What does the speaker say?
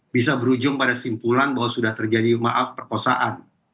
bisa berujung pada simpulan bahwa sudah terjadi maaf perkosaan